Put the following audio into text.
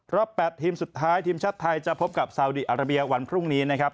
๘ทีมสุดท้ายทีมชาติไทยจะพบกับซาวดีอาราเบียวันพรุ่งนี้นะครับ